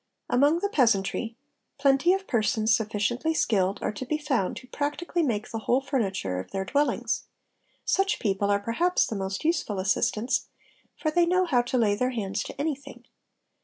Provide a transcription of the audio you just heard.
Among the peasantry, plenty of persons sufficiently skilled are to be found who practically make the whole furniture of their dwellings. Such people are perhaps the most useful assistants, for they know how to lay their hands to anything.